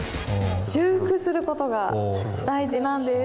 修復する事が大事なんです。